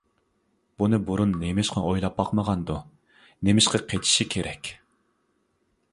بۇنى بۇرۇن نېمىشقا ئويلاپ باقمىغاندۇ؟ نېمىشقا قېچىشى كېرەك.